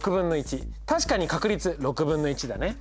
確かに確率６分の１だね。